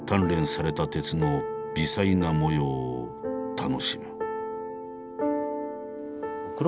鍛錬された鉄の微細な模様を楽しむ。